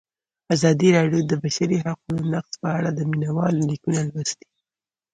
ازادي راډیو د د بشري حقونو نقض په اړه د مینه والو لیکونه لوستي.